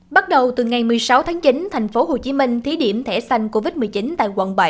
bắt đầu từ ngày một mươi sáu tháng chín tp hcm thí điểm thẻ xanh covid một mươi chín tại quận bảy